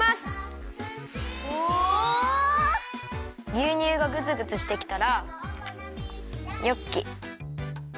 ぎゅうにゅうがグツグツしてきたらニョッキ。